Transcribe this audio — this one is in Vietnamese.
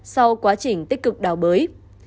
sau quá trình tích cực đào bới